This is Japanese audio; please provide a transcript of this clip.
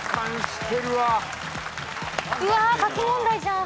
うわ書き問題じゃん。